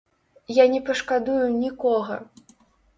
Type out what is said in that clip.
Я не пашкадую нікога!